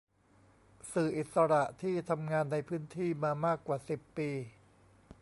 สื่ออิสระที่ทำงานในพื้นที่มามากกว่าสิบปี